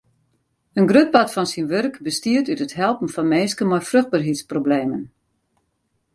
In grut part fan syn wurk bestiet út it helpen fan minsken mei fruchtberheidsproblemen.